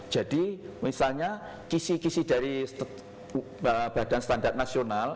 jadi misalnya kisi kisi dari badan standar nasional